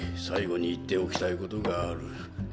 最期に言っておきたいことがある。